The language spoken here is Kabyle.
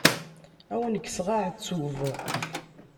Ad wen-kkseɣ aεettub.